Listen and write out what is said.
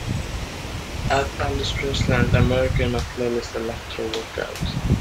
add Elvis Presley and America in my playlist Electro Workout